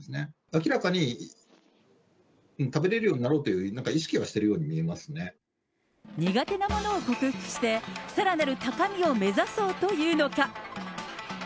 明らかに食べれるようになろうというなんか、意識はしているよう苦手なものを克服して、さらなる高みを目指そうというのか。